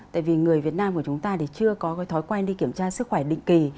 tại vì người việt nam của chúng ta thì chưa có cái thói quen đi kiểm tra sức khỏe định kỳ